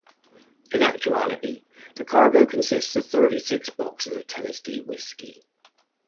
In actuality, the cargo consists of thirty-six bottles of Tennessee whisky.